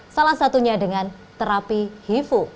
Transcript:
salah satunya dengan terapi hifu